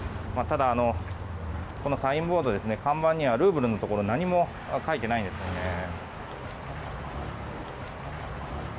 ただ、このサインボード看板にはルーブルのところ何も書いてないんですよね。